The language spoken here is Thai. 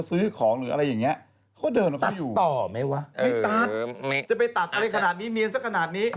จะไปตัดอะไรขนาดนี้เนียนซะขนาดนี้